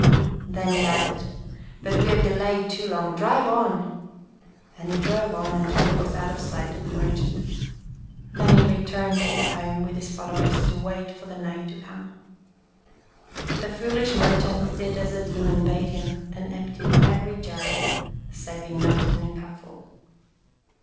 Then he added, "But we have delayed too long. Drive on !" And he drove on until he was out of sight of the mer chant. Then he returned to his home with his fol lowers to wait for the night to come. The foolish merchant did as the demon bade him and emptied every jar, saving not even a cupful.